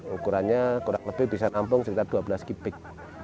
ukurannya kurang lebih bisa nampung sekitar dua belas kipik